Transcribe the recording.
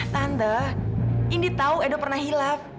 tante ini tahu edo pernah hilaf